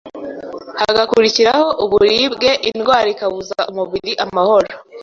hagakurikiraho uburibwe, indwara ikabuza umubiri amahoro.